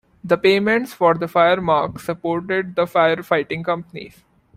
The payments for the fire marks supported the fire fighting companies.